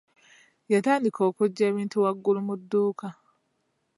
Yatandika okuggya ebintu waggulu mu dduuka.